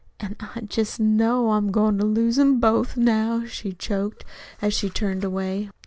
"An' I jest know I'm goin' to lose 'em both now," she choked as she turned away.